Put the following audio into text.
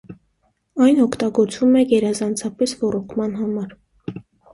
Այն օգտագործվում է գերազանցապես ոռոգման համար։